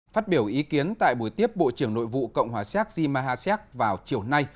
phát biểu ý kiến tại buổi tiếp bộ trưởng nội vụ cộng hòa xác di ma ha xác vào chiều nay